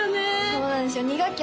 そうなんですよ２学期